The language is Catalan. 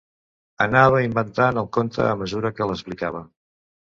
Anava inventant el conte a mesura que l'explicava.